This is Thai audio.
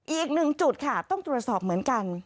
อีก๑จุดค่ะต้องเจราะสอบเหมือนกัน